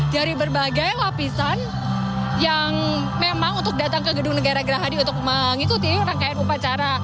dari berbagai lapisan yang memang untuk datang ke gedung negara gerahadi untuk mengikuti rangkaian upacara